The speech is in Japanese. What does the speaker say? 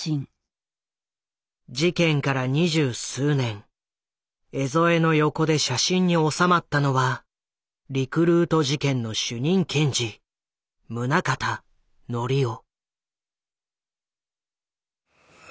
事件から二十数年江副の横で写真に収まったのはリクルート事件の主任検事宗像紀夫。